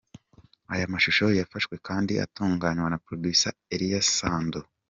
Aya mashusho yafashwe kandi atunganywa na Producer Eliel Sando.